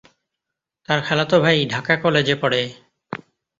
তার খালাতো ভাই ঢাকা কলেজে পড়ে।